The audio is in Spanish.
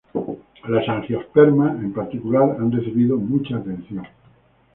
Las angiospermas en particular han recibido mucha atención.